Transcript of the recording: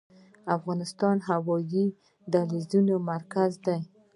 افغانستان د هوایي دهلیز مرکز دی؟